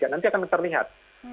nanti akan terlihat